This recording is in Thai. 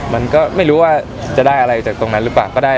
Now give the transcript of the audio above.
ไม่รู้ว่าจะได้อะไรจากตรงนั้นหรือเปล่า